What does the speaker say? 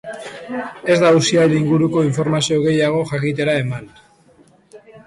Ez da auziaren inguruko informazio gehiago jakitera eman.